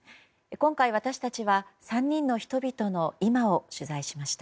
今回、私たちは３人の人々の今を取材しました。